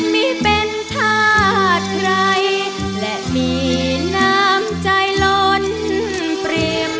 ไม่เป็นธาตุใครและมีน้ำใจล้นเปรียม